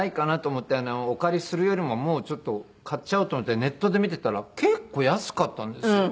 お借りするよりももうちょっと買っちゃおうと思ってネットで見ていたら結構安かったんですよ。